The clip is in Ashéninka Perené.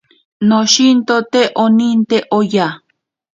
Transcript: Noshinto te oninte oya.